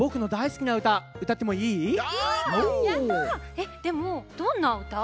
えっでもどんなうた？